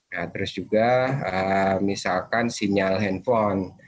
nah terus juga misalkan sinyal handphone